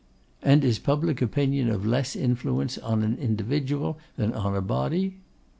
'And is public opinion of less influence on an individual than on a body?